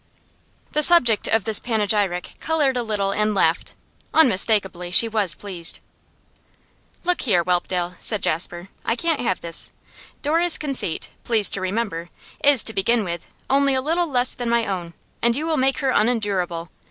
The subject of this panegyric coloured a little and laughed. Unmistakably she was pleased. 'Look here, Whelpdale,' said Jasper, 'I can't have this; Dora's conceit, please to remember, is, to begin with, only a little less than my own, and you will make her unendurable.